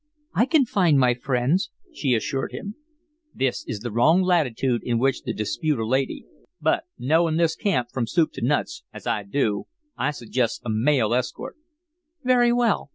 "I can find my friends," she assured him. "This is the wrong latitude in which to dispute a lady, but knowin' this camp from soup to nuts, as I do, I su'gests a male escort." "Very well!